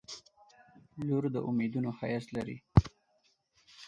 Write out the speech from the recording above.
• لور د امیدونو ښایست لري.